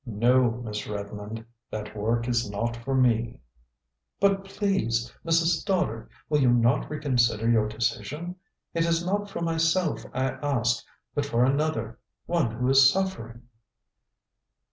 "No, Miss Redmond, that work is not for me." "But please, Mrs. Stoddard, will you not reconsider your decision? It is not for myself I ask, but for another one who is suffering."